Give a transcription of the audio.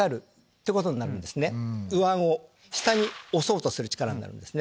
上顎を下に押そうとする力になるんですね。